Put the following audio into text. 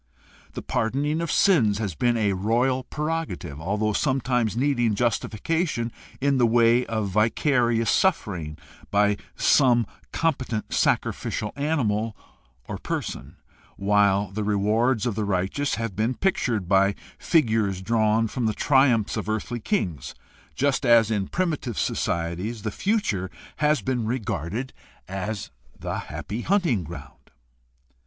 The pardon ing of sins has been a royal prerogative, although sometimes needing justification in the way of vicarious suffering by some competent sacrificial animal or person, while the rewards of the righteous have been pictured by figures drawn from the triumphs of earthly kings, just as in primitive societies the future has been regarded as the ''happy hunting ground."